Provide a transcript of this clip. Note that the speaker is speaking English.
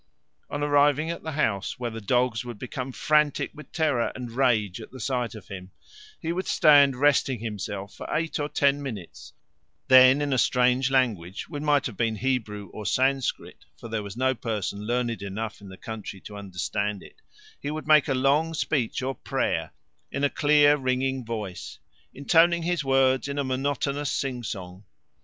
On arriving at the house, where the dogs would become frantic with terror and rage at sight of him, he would stand resting himself for eight or ten minutes; then in a strange language, which might have been Hebrew or Sanscrit, for there was no person learned enough in the country to understand it, he would make a long speech or prayer in a clear ringing voice, intoning his words in a monotonous sing song.